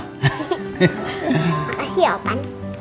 makasih ya opan